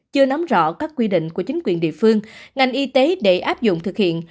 chưa nắm rõ các quy định của chính quyền địa phương ngành y tế để áp dụng thực hiện